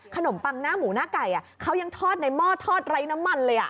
ปังหน้าหมูหน้าไก่เขายังทอดในหม้อทอดไร้น้ำมันเลย